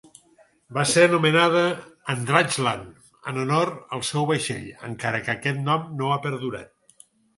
L'àrea va ser anomenada "Eendrachtsland" en honor al seu vaixell, encara que aquest nom no ha perdurat.